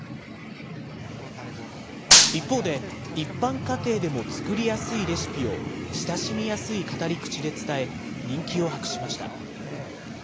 一方で一般家庭でも作りやすいレシピを親しみやすい語り口で伝え、人気を博しました。